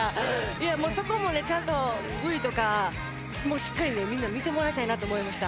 いやそこもねちゃんとＶとかもうしっかりねみんな見てもらいたいなと思いました。